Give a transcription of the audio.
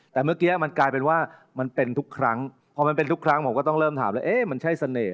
แต่เมื่อกี้มันกลายเป็นว่ามันเป็นทุกครั้งพอมันเป็นทุกครั้งผมก็ต้องเริ่มถามแล้วเอ๊ะมันใช่เสน่ห